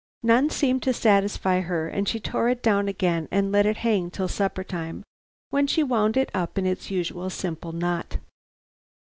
None seemed to satisfy her, and she tore it down again and let it hang till supper time, when she wound it up in its usual simple knot.